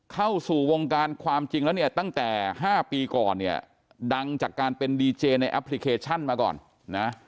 เข้าสู่วงการความจริงแล้วเนี่ยตั้งแต่๕ปีก่อนเนี่ยดังจากการเป็นดีเจในแอปพลิเคชันมาก่อนนะ